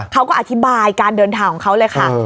เขาก็อธิบายการเดินทางของเขาเลยค่ะ